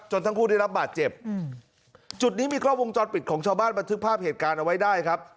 ทั้งคู่ได้รับบาดเจ็บจุดนี้มีกล้องวงจรปิดของชาวบ้านบันทึกภาพเหตุการณ์เอาไว้ได้ครับ